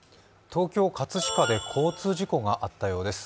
東京・葛飾で交通事故があったようです。